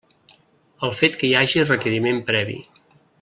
El fet que hi hagi requeriment previ.